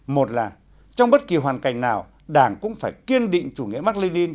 một là trong bất kỳ hoàn cảnh nào đảng cũng phải kiên định chủ nghĩa mạc lê ninh